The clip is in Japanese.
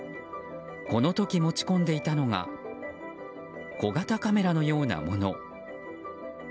この時持ち込んでいたのが小型カメラのようなもの。